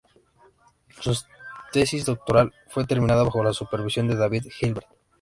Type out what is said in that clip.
Su tesis doctoral fue terminada bajo la supervisión de David Hilbert.